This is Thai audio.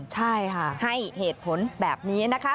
ใช่ค่ะให้เหตุผลแบบนี้นะคะ